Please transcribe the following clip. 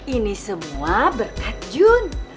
ini semua berkat jun